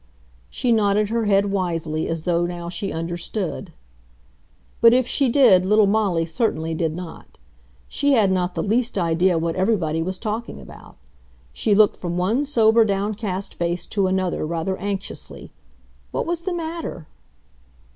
She nodded her head wisely, as though now she understood. But if she did, little Molly certainly did not. She had not the least idea what everybody was talking about. She looked from one sober, downcast face to another rather anxiously. What was the matter?